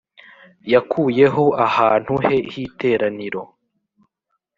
Yakuyeho ahantu he h’iteraniro.